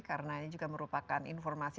karena ini juga merupakan informasi